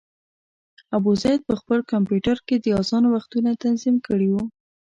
ابوزید په خپل کمپیوټر کې د اذان وختونه تنظیم کړي وو.